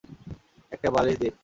একটা বালিশ দিন।